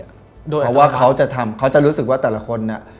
เพราะว่าเขาจะทำเขาจะรู้สึกว่าแต่ละคนเนี่ย